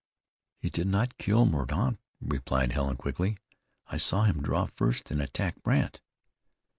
"He did not kill Mordaunt," replied Helen quickly. "I saw him draw first and attack Brandt."